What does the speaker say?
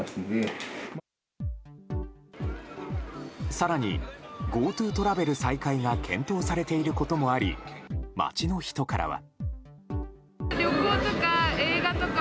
更にＧｏＴｏトラベル再開が検討されていることもあり街の人からは。